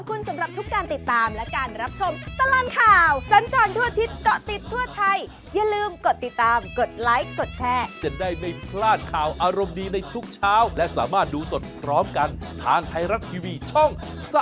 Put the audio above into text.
คลาดข่าวอารมณ์ดีในทุกเช้าและสามารถดูสดพร้อมกันทางไทยรัฐทีวีช่อง๓๒